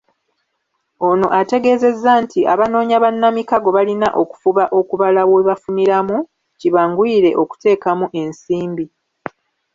Ono ategeezezza nti abanoonya bannamikago balina okufuba okubala we bafuniramu, kibanguyire okuteekamu ensimbi.